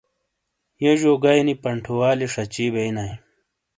یونجیو گئیی نی پنٹھُوالیئے شاچی بئینائے۔